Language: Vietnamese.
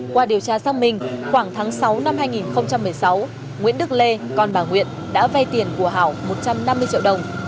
qua điều tra xác minh khoảng tháng sáu năm hai nghìn một mươi sáu nguyễn đức lê con bà nguyễn đã vay tiền của hảo một trăm năm mươi triệu đồng